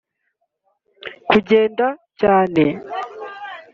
kugenda cyane